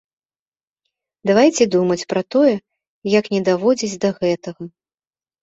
Давайце думаць пра тое, як не даводзіць да гэтага.